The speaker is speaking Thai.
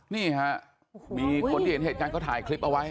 นี่ฮะมีคนที่เห็นเหตุการณ์เขาถ่ายคลิปเอาไว้